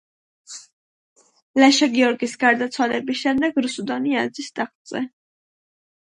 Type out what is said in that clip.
თამაში განსაკუთრებით პოპულარულია ბრიტანელ და ირლანდიელ სკოლის მოსწავლეებში.